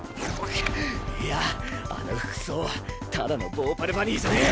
くっいやあの服装ただのヴォーパルバニーじゃねぇ。